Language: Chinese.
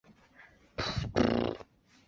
膜荚见血飞是豆科云实属的植物。